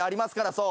そう。